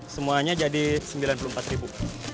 semuanya jadi sembilan puluh empat ribu